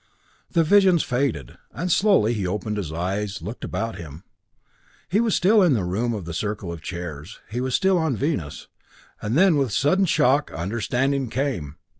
The visions faded, and slowly he opened his eyes, looked about him. He was still in the room of the circle of chairs he was still on Venus then with sudden shock, understanding came.